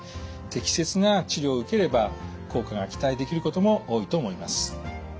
適切な治療を受ければ効果が期待できることも多いと思います。